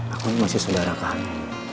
aku masih saudara kamu